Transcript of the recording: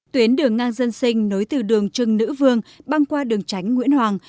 tuyến đường ngang dân sinh nối từ đường trưng nữ vương băng qua đường tránh nguyễn hoàng